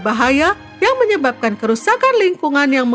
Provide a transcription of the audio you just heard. kenapa lemba tumpah isang dan pers dua puluh lima